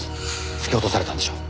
突き落とされたんでしょう。